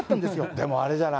でもあれじゃない？